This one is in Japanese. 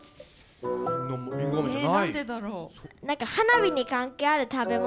え何でだろう。